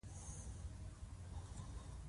د علمي تحقیقاتو اصل دا دی چې ځان وژغوري.